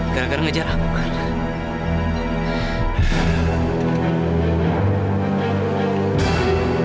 gara gara ngejar aku banyak